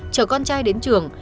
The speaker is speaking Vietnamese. chờ con trai đến trường